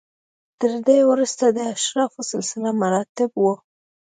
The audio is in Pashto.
تر ده وروسته د اشرافو سلسله مراتب و.